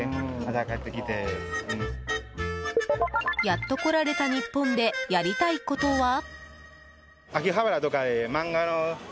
やっと来られた日本でやりたいことは？